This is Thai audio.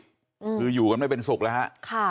คืออยู่กันไม่เป็นสุขแล้วฮะค่ะ